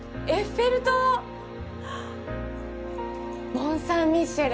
モン・サン・ミシェル？